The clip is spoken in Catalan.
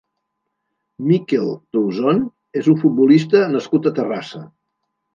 Mikel Touzón és un futbolista nascut a Terrassa.